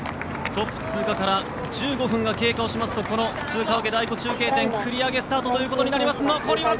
トップ通過から１５分が経過しますとこの通過を受ける第５中継点は繰り上げスタートということになります。